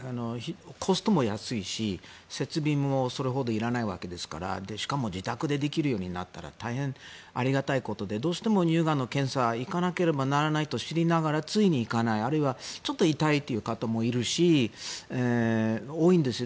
コストも安いし、設備もそれほどいらないわけですからしかも自宅でできるようになったら大変ありがたいことでどうしても乳がんの検査行かなければならないと知りながらつい行かない、あるいはちょっと痛いという方もいるし多いんですよ。